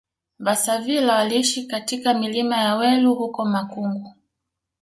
Vasavila waliishi katika milima ya Welu huko Makungu